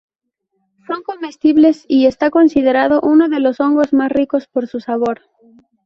Son comestibles y está considerado uno de los hongos más ricos por su sabor.